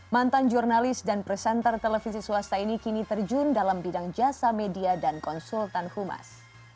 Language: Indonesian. mantan jurnalis dan presenter televisi swasta ini kini terjun dalam bidang jasa media dan konsultan humas